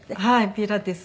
ピラティス